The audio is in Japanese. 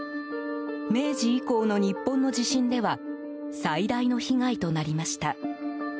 明治以降の日本の地震では最大の被害となりました。